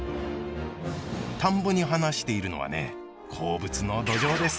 田んぼに放しているのはね好物のドジョウです。